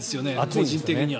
個人的には。